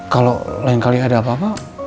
kalau lain kali ada apa apa